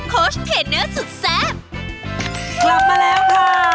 กลับมาแล้วค่ะ